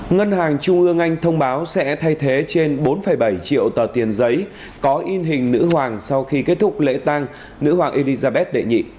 ngân hàng trung ương anh thông báo sẽ thay thế trên bốn bảy triệu tờ tiền giấy có in hình nữ hoàng sau khi kết thúc lễ tăng nữ hoàng elizabeth đệ nhị